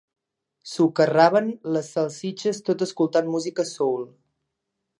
Socarraven les salsitxes tot escoltant música soul.